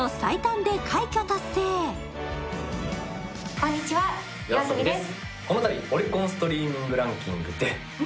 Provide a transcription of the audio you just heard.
こんにちは、ＹＯＡＳＯＢＩです。